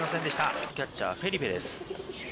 キャッチャーフェリペです。